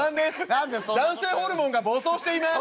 「男性ホルモンが暴走しています」。